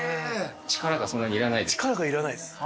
力がそんなにいらない。